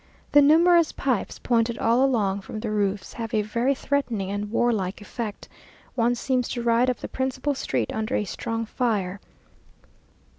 The numerous pipes, pointed all along from the roofs, have a very threatening and warlike effect; one seems to ride up the principal street under a strong fire.